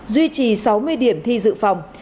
duy trì sáu mươi điểm thi dự phòng